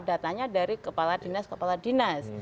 datanya dari kepala dinas kepala dinas